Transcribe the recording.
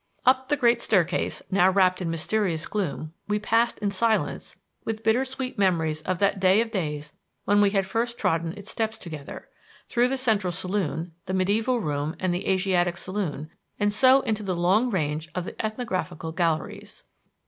Up the great staircase, now wrapped in mysterious gloom, we passed in silence with bitter sweet memories of that day of days when we had first trodden its steps together; through the Central Saloon, the Medieval Room and the Asiatic Saloon, and so into the long range of the Ethnographical Galleries.